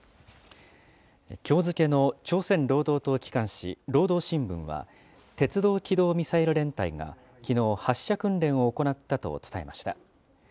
きょう付けの朝鮮労働党機関紙、労働新聞は、鉄道機動ミサイル連隊が、きのう発射訓練を行ったと伝えました。